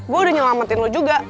gue udah nyelamatin lu juga